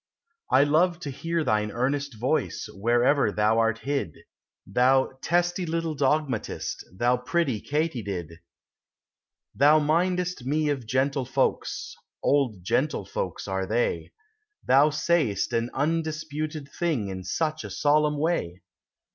I LOVE to hear thine earnest voice, Wherever thou art hid, Thou testy little dogmatist, Thou pretty Katydid Thou mindest me of gentlefolks, Old gentlefolks are they, Thou say'st an undisputed thing In such a solemn way.